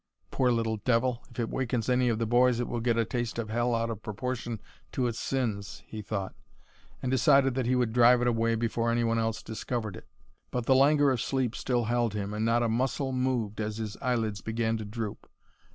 "Poor little devil! If it wakens any of the boys it will get a taste of hell out of proportion to its sins," he thought, and decided that he would drive it away before any one else discovered it. But the languor of sleep still held him and not a muscle moved as his eyelids began to droop.